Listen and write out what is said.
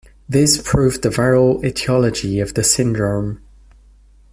This proved the viral etiology of the syndrome.